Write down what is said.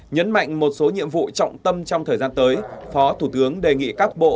nhấn mạnh một số nhiệm vụ trọng tâm trong thời gian tới phó thủ tướng đề nghị các bộ